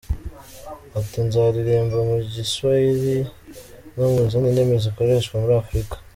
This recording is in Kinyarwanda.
Ati : “Nzaririmba mu Giswayile no mu zindi ndimi zikoreshwa muri Afurika.